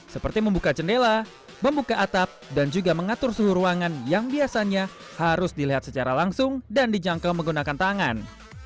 seperti membuka jendela membuka atap dan juga mengatur suhu ruangan yang biasanya harus dilihat secara langsung dan dijangkau menggunakan tangan